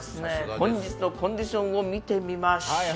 本日のコンディションを見てみましょう。